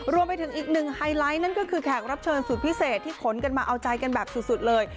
รวมไปถึงอีกหนึ่งไฮไลท์นั่นก็คือแขกรับเชิญสุดพิเศษที่ขนกันมาเอาใจกันแบบสุดเลย